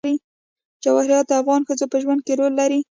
جواهرات د افغان ښځو په ژوند کې رول لري.